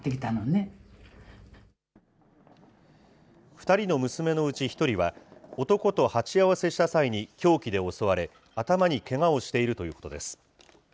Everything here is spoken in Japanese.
２人の娘のうち１人は、男と鉢合わせした際に凶器で襲われ、頭にけがをしているということです。